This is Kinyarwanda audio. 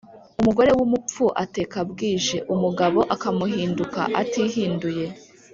Umugore w’umupfu ateka bwije, umugabo akamuhinduka atihinduye.